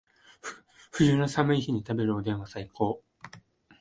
冬の寒い日に食べるおでんは最高